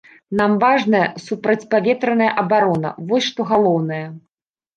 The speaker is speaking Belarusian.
Нам важная супрацьпаветраная абарона, вось што галоўнае.